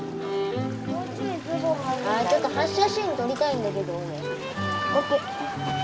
ちょっと発車シーン撮りたいんだけど俺。